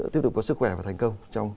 tiếp tục có sức khỏe và thành công trong